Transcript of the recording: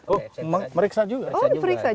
oh meriksa juga